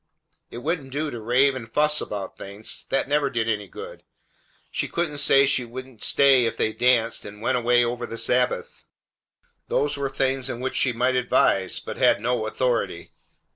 It wouldn't do to rave and fuss about things. That never did any good. She couldn't say she wouldn't stay if they danced and went away over the Sabbath. Those were things in which she might advise, but had no authority.